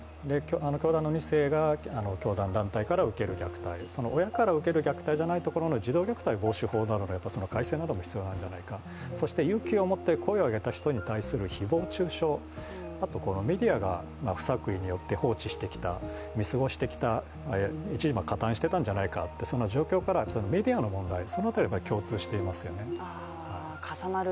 教団の２世が教団奪会から受ける虐待、親から受ける虐待ではないところの児童虐待防止法などの改正も必要なんじゃないか、そして、勇気を持って声を上げた人に対する誹謗中傷、そしてメディアが不作為によって、見過ごしてきた、加担していたんじゃないかという問題から、メディアの問題、その辺りは共通していますよね。